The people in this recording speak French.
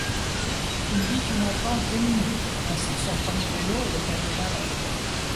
Il vit une enfance démunie, ainsi son premier vélo est le cadeau d'un oncle.